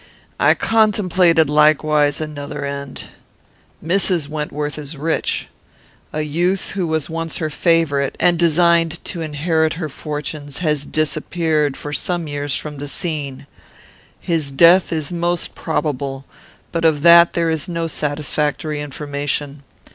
"I contemplated, likewise, another end. Mrs. Wentworth is rich. A youth who was once her favourite, and designed to inherit her fortunes, has disappeared, for some years, from the scene. His death is most probable, but of that there is no satisfactory information.